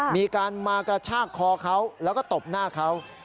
มีการมากระชากคอเขาแล้วก็ตบหน้าเขา